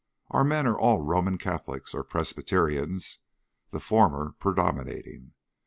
Our men are all Roman Catholics or Presbyterians, the former predominating.